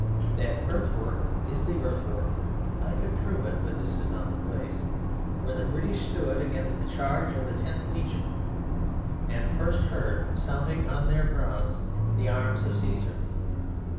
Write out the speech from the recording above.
That earthwork is the earthwork (I could prove it, but this is not the place) where the British stood against the charge of the Tenth Legion, and first heard, sounding on their bronze, the arms of Caesar.